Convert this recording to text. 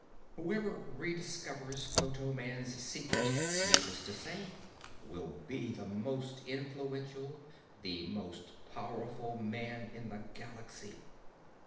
_ _Whoever re discovers proto man's secret, needless to say, will be the most influential, the most powerful, man in the galaxy.